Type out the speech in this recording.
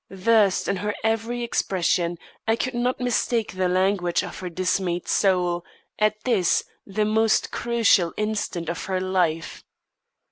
Versed in her every expression, I could not mistake the language of her dismayed soul, at this, the most critical instant of her life.